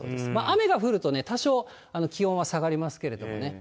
雨が降るとね、多少気温は下がりますけれどもね。